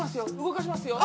動かしますよ。